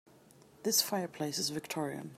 This fireplace is victorian.